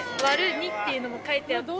っていうのも書いてあって。